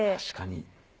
確かに。